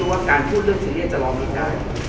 คุณคิดคุณทำอย่างนี้ค่ะคุณคิดคุณทำอย่างนี้ค่ะ